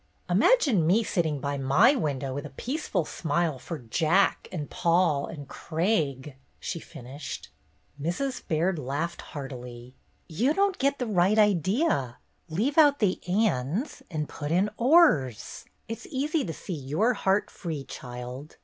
"Imagine me sitting by my window with a peaceful smile for Jack and Paul and Craig!" she finished. Mrs. Baird laughed heartily. "You don't get the right idea. Leave out the 'ands' and put in 'ors.' It 's easy to see you 're heart free, child.